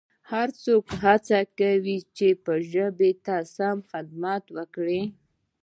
هرڅوک کولای سي چي ژبي ته خدمت وکړي